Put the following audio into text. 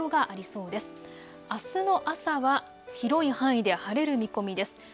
あすの朝は広い範囲で晴れる見込みです。